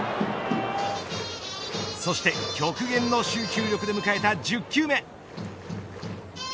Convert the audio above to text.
そして極限の集中力で迎えた１０球目。